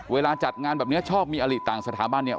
เวลาจัดงานแบบนี้ชอบมีอลิต่างสถาบันเนี่ย